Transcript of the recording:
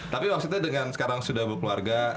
tapi maksudnya dengan sekarang sudah berkeluarga